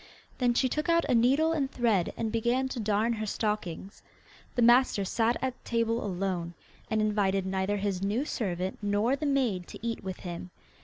Then she took out a needle and thread, and began to darn her stockings. The master sat at table alone, and invited neither his new servant nor the maid to eat with him.